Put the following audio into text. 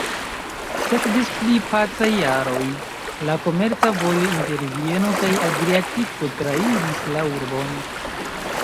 Sekvis pli pacaj jaroj, la komerca vojo inter Vieno kaj Adriatiko trairis la urbon.